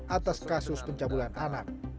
atas kasus pencabulan anak